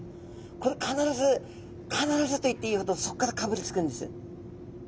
これ必ず必ずと言っていいほどそっからかぶりつくんです。